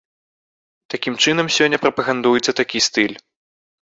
Такім чынам сёння прапагандуецца такі стыль.